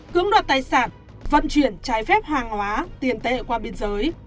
cưỡng đoạt tài sản vận chuyển trái phép hàng hóa tiền tệ qua biên giới